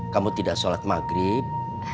kamu tidak sholat maghrib